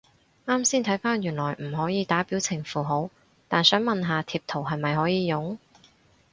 啱先睇返原來唔可以打表情符號，但想問下貼圖係咪可以用？